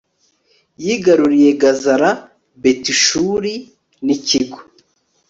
yigaruriye gazara, betishuri n'ikigo